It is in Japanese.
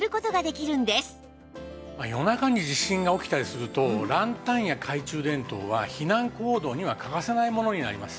夜中に地震が起きたりするとランタンや懐中電灯は避難行動には欠かせないものになります。